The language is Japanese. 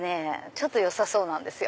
ちょっとよさそうなんですよ。